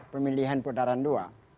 pemilihan putaran dua